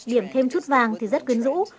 điểm thêm chút vàng thì rất quyến rũ